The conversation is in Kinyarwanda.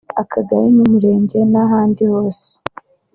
akagali n’umurenge n’ahandi hose